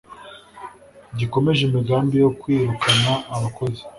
gikomeje imigambi yo kwirukana abakozi